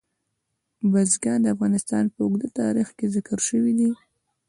بزګان د افغانستان په اوږده تاریخ کې ذکر شوی دی.